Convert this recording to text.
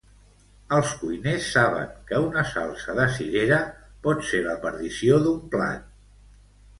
Els cuiners saben que una salsa de cirera pot ser la perdició d'un plat.